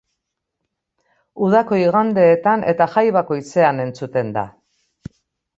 Udako igandeetan eta jai bakoitzean entzuten da.